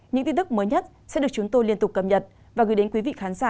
những tin tức mới nhất sẽ được chúng tôi liên tục cập nhật và gửi đến quý vị khán giả